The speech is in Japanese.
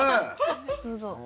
どうぞ。